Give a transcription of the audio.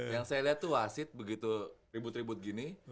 yang saya lihat tuh wasit begitu ribut ribut gini